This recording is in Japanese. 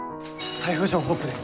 台風情報トップです。